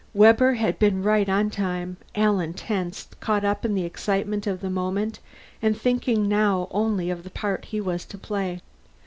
Webber had been right on time. Alan tensed, caught up in the excitement of the moment and thinking now only of the part he was to play.